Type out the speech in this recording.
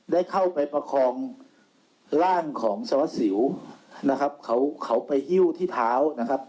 ได้เข้าไปประคองร่างของสารวัสสิวนะครับเขาเขาไปหิ้วที่เท้านะครับ